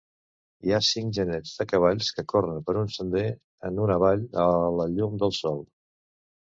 Hi ha cinc genets de cavalls que corren per un sender en una vall a la llum del sol